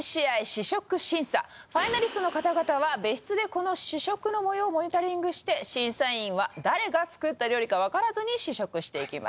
試食審査ファイナリストの方々は別室でこの試食の模様をモニタリングして審査員は誰が作った料理かわからずに試食していきます